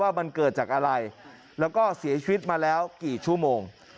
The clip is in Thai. ว่ามันเกิดจากอะไรแล้วก็เสียชีวิตมาแล้วกี่ชั่วโมง